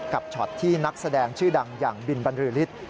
ช็อตที่นักแสดงชื่อดังอย่างบินบรรลือฤทธิ์